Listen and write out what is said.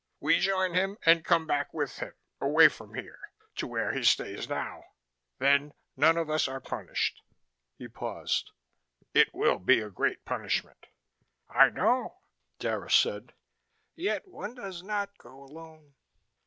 We join him and come back with him, away from here, to where he stays now. Then none of us are punished." He paused. "It will be a great punishment." "I know," Dara said. "Yet one does not go alone."